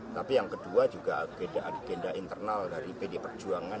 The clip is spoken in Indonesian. tapi yang kedua juga agenda internal dari pdi perjuangan